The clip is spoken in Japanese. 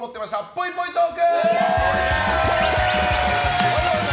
ぽいぽいトーク！